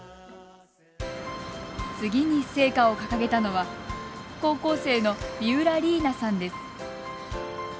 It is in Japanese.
次に聖火を掲げたのは高校生の三浦里稲さんです。